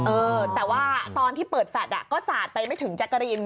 เออแต่ว่าตอนที่เปิดแฟลตก็สาดไปไม่ถึงแจ๊กกะรีน